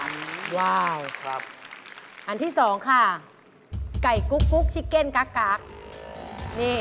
ม้าไล่